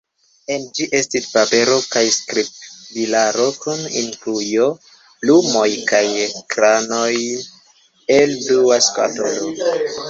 En ĝi estis papero kaj skribilaro kun inkujo, plumoj kaj krajonoj en blua skatolo.